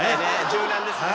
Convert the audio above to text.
柔軟ですね。